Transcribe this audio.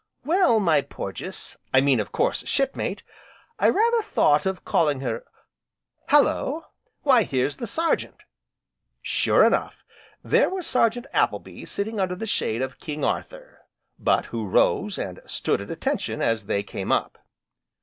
"Well, my Porges, I mean, of course, shipmate, I rather thought of calling her Hallo! why here's the Sergeant." Sure enough, there was Sergeant Appleby sitting under the shade of "King Arthur" but who rose, and stood at attention as they came up.